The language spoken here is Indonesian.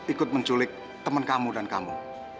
ikut menculik teman kamu dan kamu